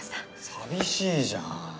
寂しいじゃん。